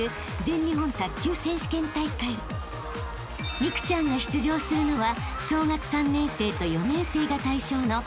［美空ちゃんが出場するのは］